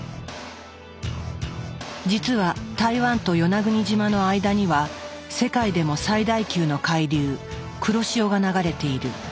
実は台湾と与那国島の間には世界でも最大級の海流黒潮が流れている。